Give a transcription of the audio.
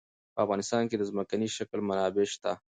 په افغانستان کې د ځمکنی شکل منابع شته.